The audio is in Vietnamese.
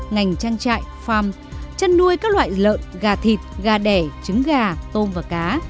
ngành trang trại farm chăn nuôi các loại lợn gà thịt gà đẻ trứng gà tôm và cá